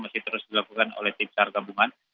masih terus dilakukan oleh tim sargabungan